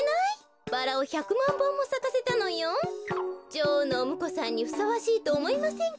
女王のおむこさんにふさわしいとおもいません